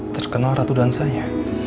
terkenal ratu dansanya